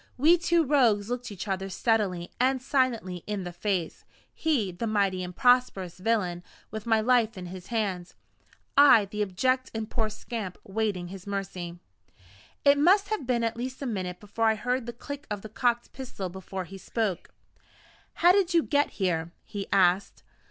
We two Rogues looked each other steadily and silently in the face he, the mighty and prosperous villain, with my life in his hands: I, the abject and poor scamp, waiting his mercy. It must have been at least a minute after I heard the click of the cocked pistol before he spoke. "How did you get here?" he asked.